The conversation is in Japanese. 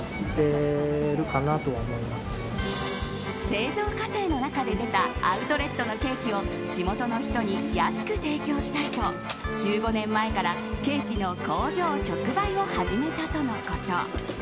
製造過程の中で出たアウトレットのケーキを地元の人に安く提供したいと１５年前からケーキの工場直売を始めたとのこと。